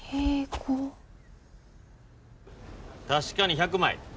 確かに１００枚。